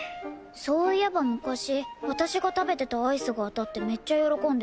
そういえば昔私が食べてたアイスが当たってめっちゃ喜んでた。